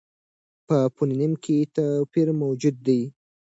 په فونېم کې توپیر موجود دی.